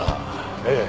ええ。